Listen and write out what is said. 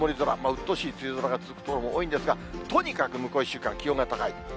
うっとうしい梅雨空が続く所が多いんですが、とにかく向こう１週間、気温が高い。